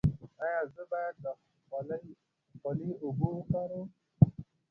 ایا زه باید د خولې اوبه وکاروم؟